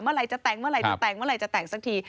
เมื่อไรจะแต๊งเมื่อไรจะแต๊งมามันแต่งสักที